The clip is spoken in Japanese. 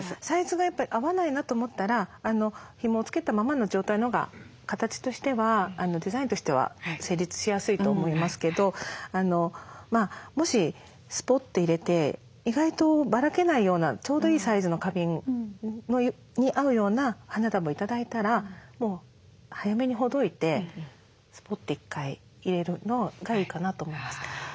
サイズがやっぱり合わないなと思ったらひもをつけたままの状態のほうが形としてはデザインとしては成立しやすいと思いますけどもしスポッて入れて意外とばらけないようなちょうどいいサイズの花瓶に合うような花束を頂いたらもう早めにほどいてスポッて１回入れるのがいいかなと思います。